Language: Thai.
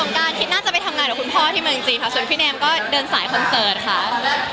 มันใช้ภัณฑ์จากต่อหน้าตรีไหมคะ